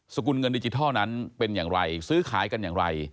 กุลเงินดิจิทัลนั้นเป็นอย่างไรซื้อขายกันอย่างไร